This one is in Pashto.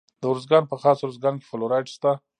د ارزګان په خاص ارزګان کې فلورایټ شته.